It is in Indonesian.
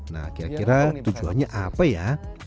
nah kira kira tujuannya apa ya